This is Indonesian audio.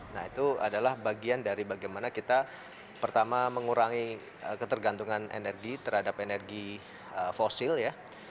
nah itu adalah bagian dari bagaimana kita pertama mengurangi ketergantungan energi terhadap energi fosil ya